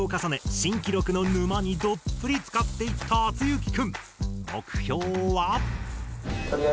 新記録の沼にどっぷりつかっていったあつゆき君。